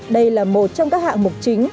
đây là một trong các hạng mục chính